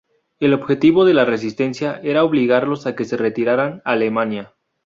El objetivo de la resistencia era obligarlos a que se retiraran a Alemania.